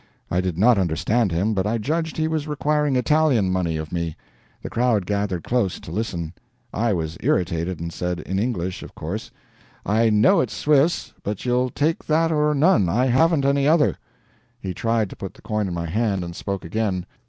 I did not understand him, but I judged he was requiring Italian money of me. The crowd gathered close, to listen. I was irritated, and said in English, of course: "I know it's Swiss, but you'll take that or none. I haven't any other." He tried to put the coin in my hand, and spoke again.